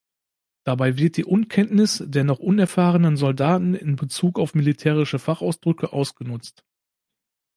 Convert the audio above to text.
Dabei wird die Unkenntnis der noch unerfahrenen Soldaten in Bezug auf militärische Fachausdrücke ausgenutzt.